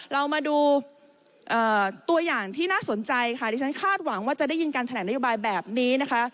เรามาดูตัวอย่างที่น่าสนใจค่ะดิฉันคาดหวังว่าจะได้ยินการแถลงนโยบายแบบนี้นะคะ